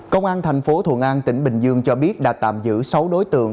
công an tp thuận an tỉnh bình dương cho biết đã tạm giữ sáu đối tượng